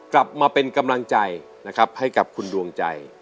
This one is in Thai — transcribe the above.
กลับมาเป็นกำลังใจนะครับให้กับคุณดวงใจ